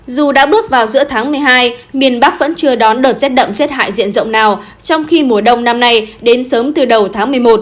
dù đã bước vào giữa tháng một mươi hai miền bắc vẫn chưa đón đợt rét đậm rét hại diện rộng nào trong khi mùa đông năm nay đến sớm từ đầu tháng một mươi một